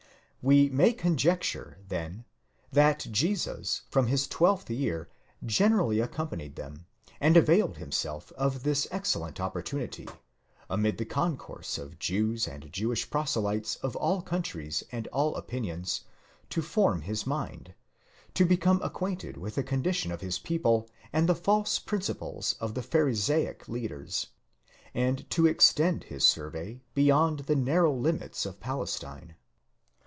We may conjecture, then, that Jesus from his twelfth year generally accompanied them, and availed himself of this excellent opportunity, amid the concourse of Jews and Jewish proselytes of all countries and all opinions, to form his mind, to become acquainted with the condition of his people and the false principles of the Pharisaic leaders, and to extend his survey beyond the narrow limits of Palestine.?